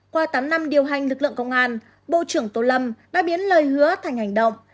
qua tám năm điều hành lực lượng công an bộ trưởng tô lâm đã biến lời hứa thành hành động